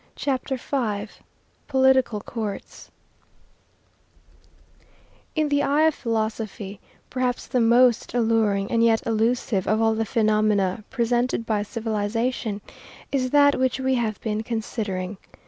CHAPTER V POLITICAL COURTS In the eye of philosophy, perhaps the most alluring and yet illusive of all the phenomena presented by civilization is that which we have been considering.